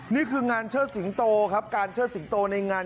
นี่คืองานเชิดสิงโตครับการเชิดสิงโตในงาน